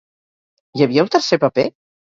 Hi havia un tercer paper?